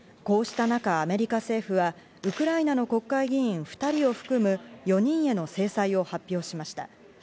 こうした中、アメリカ政府はウクライナの国会議員２人を含む、４人への制裁を発表しました。